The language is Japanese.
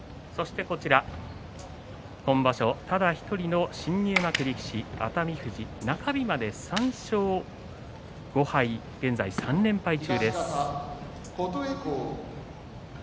今場所ただ１人の新入幕熱海富士、中日まで３勝５敗、現在３連敗中です。